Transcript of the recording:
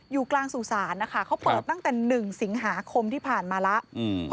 อยู่กลางสู่ศาลนะคะเขาเปิดตั้งแต่๑สิงหาคมที่ผ่านมาแล้ว